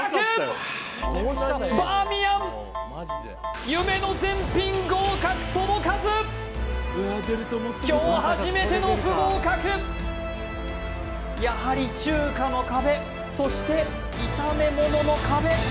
あっダメバーミヤン夢の全品合格届かず今日初めての不合格やはり中華の壁そして炒め物の壁